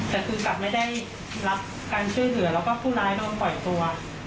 แต่คือกลับไม่ได้รับการช่วยเหลือแล้วก็ผู้ร้ายโดนปล่อยตัว